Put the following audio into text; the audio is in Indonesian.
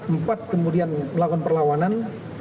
empat kemudian melakukan perlawanan